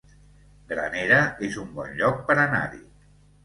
Granera es un bon lloc per anar-hi